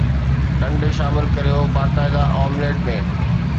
کنڊ شامل ڪريو باقاعده آمليٽ ۾